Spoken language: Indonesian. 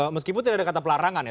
meskipun tidak ada kata pelarangan ya